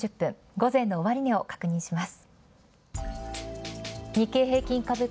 午前の終値を確認します。